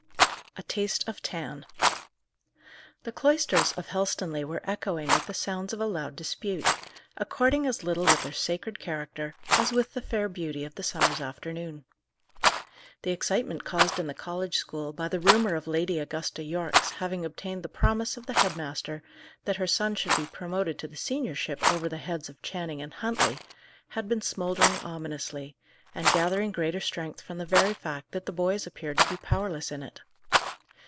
A TASTE OF "TAN." The cloisters of Helstonleigh were echoing with the sounds of a loud dispute, according as little with their sacred character, as with the fair beauty of the summer's afternoon. The excitement caused in the college school by the rumour of Lady Augusta Yorke's having obtained the promise of the head master that her son should be promoted to the seniorship over the heads of Channing and Huntley, had been smouldering ominously, and gathering greater strength from the very fact that the boys appeared to be powerless in it.